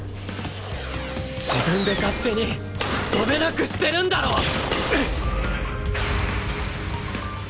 自分で勝手に跳べなくしてるんだろ！